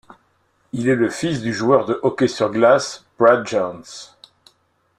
Il est le fils du joueur de hockey sur glace Brad Jones.